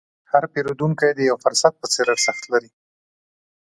هر پیرودونکی د یو فرصت په څېر ارزښت لري.